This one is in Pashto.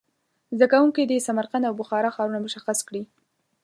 زده کوونکي دې سمرقند او بخارا ښارونه مشخص کړي.